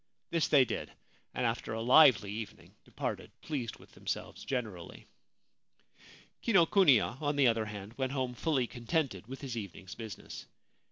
This they did, and after a lively evening departed pleased with themselves generally. Kinokuniya, on the other hand, went home fully con tented with his evening's business.